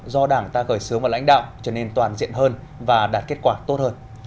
do đảng ta gửi sướng vào lãnh đạo trở nên toàn diện hơn và đạt kết quả tốt hơn